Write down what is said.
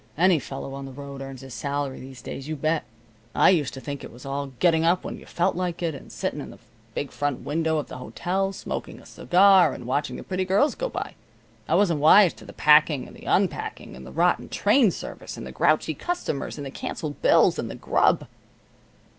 "Any fellow on the road earns his salary these days, you bet. I used to think it was all getting up when you felt like it, and sitting in the big front window of the hotel, smoking a cigar and watching the pretty girls go by. I wasn't wise to the packing, and the unpacking, and the rotten train service, and the grouchy customers, and the canceled bills, and the grub."